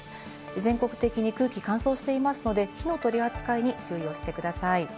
全国的に空気が乾燥していますので、火の取り扱いに注意してください。